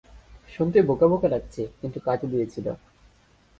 শুনতে বোকা বোকা লাগছে, কিন্তু কাজে দিয়েছিলো।